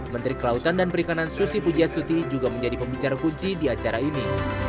menteri kelautan dan perikanan susi pujiastuti juga menjadi pembicara kunci di acara ini